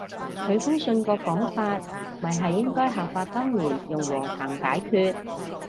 佢封信個講法咪係應該效法當年用和談解決